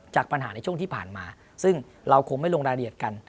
จากปัญหาในช่วงที่ผ่านมาซึ่งเราคงไม่ลงรายละเอียดกัน